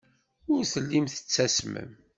Ur tellim tettasmem.